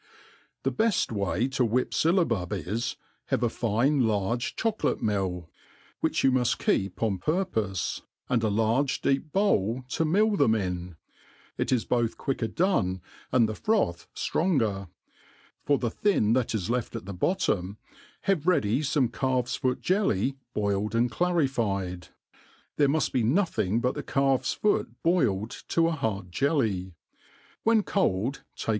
The beft way to whip fyllabub is, have a fine Urge chocolate mlll^ U 3 which S94 THE ART OF COOKERY ♦ which you muft keep on purpofe, and a large deep bowl to mill them in. It is both quicker done, and the froth ftrong er. For the thin that is left at the bottom, have ready fome calfso foot jelly boiled and clarified, there, muft be nothing but the calf s foot boiled to a hard jelly : when cold, take.